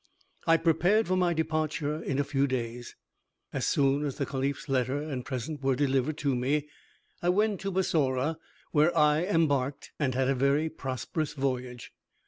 I prepared for my departure in a few days. As soon as the caliph's letter and present were delivered to me, I went to Bussorah, where I embarked, and had a very prosperous voyage.